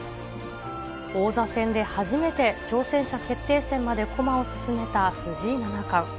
王座戦で初めて挑戦者決定戦まで駒を進めた藤井七冠。